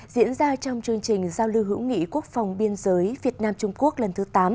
diễn ra trong chương trình giao lưu hữu nghị quốc phòng biên giới việt nam trung quốc lần thứ tám